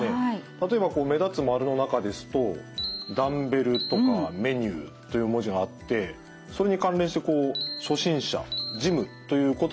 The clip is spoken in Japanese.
例えば目立つ丸の中ですと「ダンベル」とか「メニュー」という文字があってそれに関連して「初心者」「ジム」という言葉もね